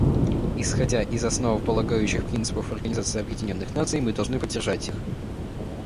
Исходя из основополагающих принципов Организации Объединенных Наций, мы должны поддержать их.